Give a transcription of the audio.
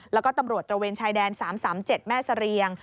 แล้วก็ตำรวจตระเวนชายแดน๓๓๗แม่เสรียง